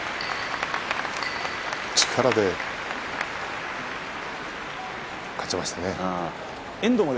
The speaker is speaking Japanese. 力で勝ちましたね横綱は。